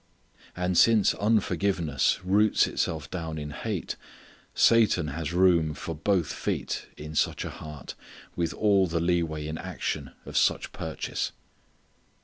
And since unforgiveness roots itself down in hate Satan has room for both feet in such a heart with all the leeway in action of such purchase.